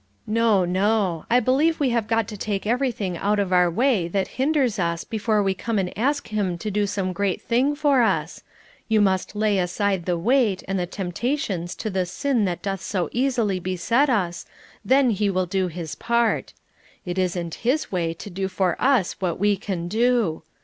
No, no! I believe we have got to take everything out of our way that hinders us before we come and ask him to do some great thing for us. You must lay aside the 'weight,' and the temptations to the 'sin that doth so easily beset us,' then He will do his part. It isn't his way to do for us what we can do.